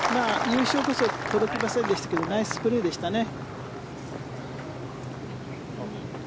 優勝こそ届きませんでしたけどナイスプレーでしたね。